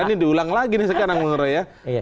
ini diulang lagi nih sekarang menurut roy ya